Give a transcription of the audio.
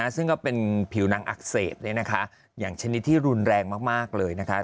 ซึ่งก็เป็นผิวหนังอักเสบอย่างชนิดที่รุนแรงมากเลยนะคะ